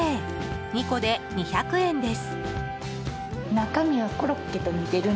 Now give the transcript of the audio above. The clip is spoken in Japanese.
２個で２００円です。